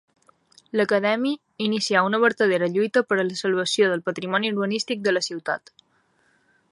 L’Acadèmia inicià una vertadera lluita per a la salvació del patrimoni urbanístic de la ciutat.